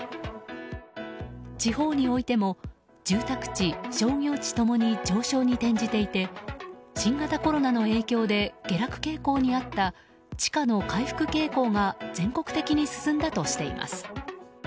地方においても住宅地、商業地共に上昇に転じていて新型コロナの影響で下落傾向にあった地価の回復傾向が全国的に進んだとしています。